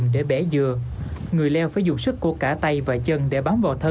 rồi trở về nhà